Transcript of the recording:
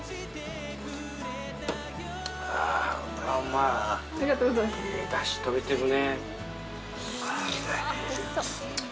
いいだし取れてるね。